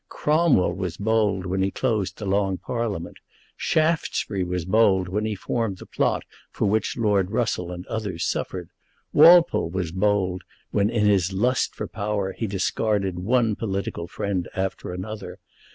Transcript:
Cromwell was bold when he closed the Long Parliament. Shaftesbury was bold when he formed the plot for which Lord Russell and others suffered. Walpole was bold when, in his lust for power, he discarded one political friend after another.